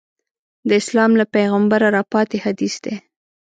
د اسلام له پیغمبره راپاتې حدیث دی.